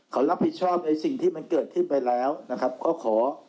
เขารับผิดชอบในสิ่งที่มันเกิดขึ้นไปแล้วนะครับก็ขอ